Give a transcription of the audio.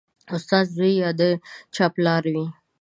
استاد زوی یا د چا پلار وي